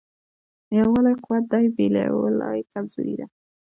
یووالی قوت دی بېلوالی کمزوري ده.